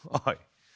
はい。